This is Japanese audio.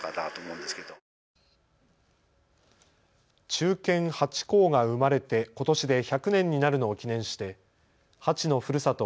忠犬ハチ公が生まれてことしで１００年になるのを記念してハチのふるさと